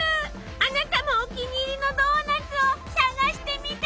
あなたもお気に入りのドーナツを探してみて！